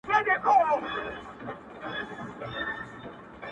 پرېږده د مينې کاروبار سره خبرې کوي,